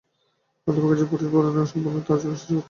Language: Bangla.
হতভাগা যে-পুরুষ বড়ো নয় সে অসম্পূর্ণ, তার জন্যে সৃষ্টিকর্তা লজ্জিত।